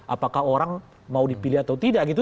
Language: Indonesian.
apakah orang mau dipilih atau tidak gitu